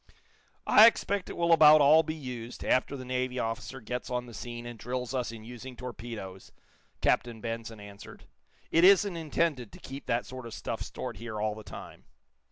"I expect it will about all be used, after the Navy officer gets on the scene, and drills us in using torpedoes," Captain Benson answered. "It isn't intended to keep that sort of stuff stored here all the time."